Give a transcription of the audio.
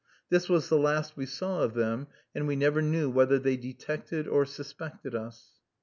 This was the last we saw of them, and we never knew whether they detected or suspected us.